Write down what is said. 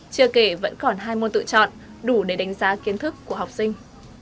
chưa kể vẫn còn hai môn tự chọn đủ để đánh giá kiến thức của học sinh